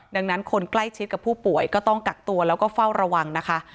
ดังนั้นคนใกล้ชิดกับผู้ป่วยก็ต้องกักตัวแล้วก็เฝ้าระวังนะคะ